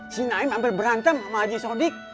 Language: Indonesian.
si naim hampir berantem sama haji sodik